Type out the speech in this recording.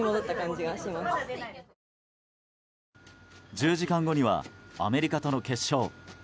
１０時間後にはアメリカとの決勝。